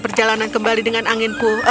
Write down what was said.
perjalanan kembali dengan angin pu